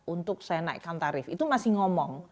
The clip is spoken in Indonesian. untuk saya naikkan tarif itu masih ngomong